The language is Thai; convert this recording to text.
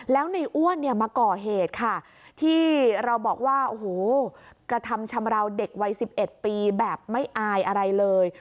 แล้วในอ้วนเนี่ยมาก่อเหตุค่ะที่เราบอกว่าโอ้โหกระทำชำราวเด็กวัย๑๑ปีแบบไม่อายอะไรเลย